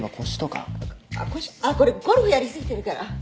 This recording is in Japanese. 腰あっこれゴルフやり過ぎてるから。